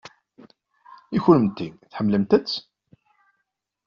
I kennemti, tḥemmlemt-t?